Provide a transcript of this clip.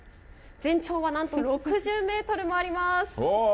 全長はなんと６０メートルもあります。